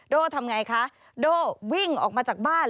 โด่ทำอย่างไรคะโด่วิ่งออกมาจากบ้าน